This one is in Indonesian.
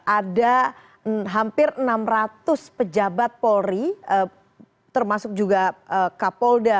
ada hampir enam ratus pejabat polri termasuk juga kapolda